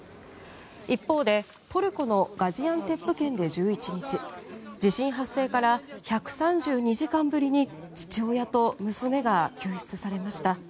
一方でトルコのガジアンテップ県で１１日地震発生から１３２時間ぶりに父親と娘が救出されました。